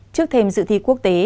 trước thêm dự thi quốc tế